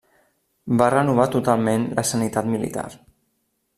Va renovar totalment la sanitat militar.